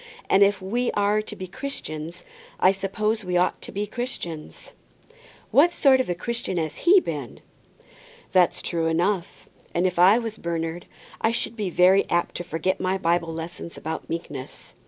And if we are to be Christians, I suppose we ought to be Christians." "What sort of a Christian has he been?" "That's true enough; and if I was Bernard, I should be very apt to forget my Bible lessons about meekness."